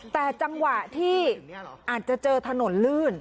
แต่จังหวะที่อาจจะเจอถนนลื่น